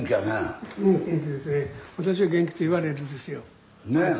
私は元気といわれるんですよ。